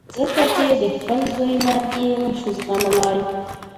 ځکه چې د خپل زوی مرګ یې نه شو زغملای.